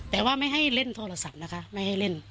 แต่ว่าไม่ให้เล่นโทรศัพท์นะคะไม่ให้เล่น